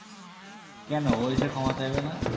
কেন, ও এসে ক্ষমা চাইবে না?